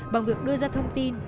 bằng việc đưa ra thông tin